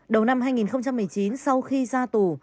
đầu năm hai nghìn một mươi chín sau khi ra tù